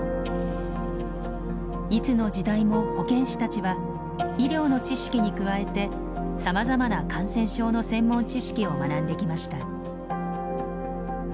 いつの時代も保健師たちは医療の知識に加えてさまざまな感染症の専門知識を学んできました。